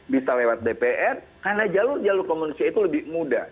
bisa lewat dpr karena jalur jalur komunisian itu lebih mudah